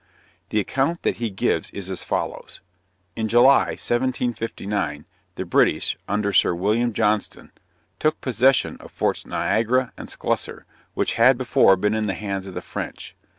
The account that he gives is as follows: In July, 1759, the British, under Sir William Johnston, took possession of Forts Niagara and Sclusser, which had before been in the hands of the French.